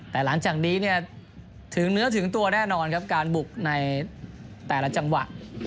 แต่หลังจากนี้เนี่ยถึงเนื้อถึงตัวแน่นอนครับการบุกในแต่ละจังหวะ